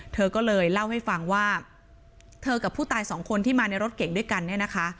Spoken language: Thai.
เธอก็เลยเล่าให้ฟังว่าเธอกับผู้ตายสองคนที่มาในรถเก่งด้วยกันเนี่ยนะคะ